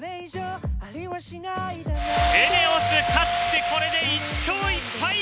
ＥＮＥＯＳ勝って、これで１勝１敗。